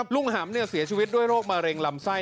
ลุงหำเสียชีวิตด้วยโรคมะเร็งลำไส้